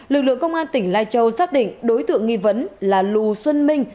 lực lượng công an tỉnh lai châu xác định đối tượng nghi vấn là lù xuân minh